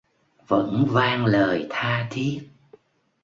Vẫn vang lời tha thiết